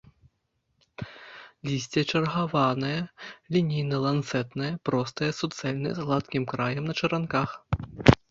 Лісце чаргаванае, лінейна-ланцэтнае, простае, суцэльнае, з гладкім краем, на чаранках.